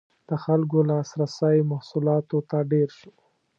• د خلکو لاسرسی محصولاتو ته ډېر شو.